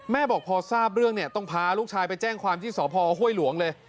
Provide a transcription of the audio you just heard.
บอกพอทราบเรื่องเนี่ยต้องพาลูกชายไปแจ้งความที่สพห้วยหลวงเลย